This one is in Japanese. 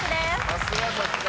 さすがさすが。